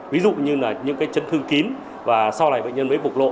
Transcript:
ví dụ như những chấn thương kín và sau này bệnh nhân mới bục lộ